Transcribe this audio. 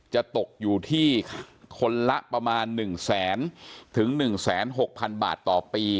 จะตกอยู่ที่คนละประมาณ๑แสนถึง๑๖๐๐๐บาทต่อปี